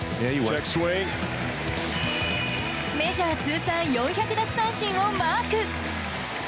メジャー通算４００奪三振をマーク。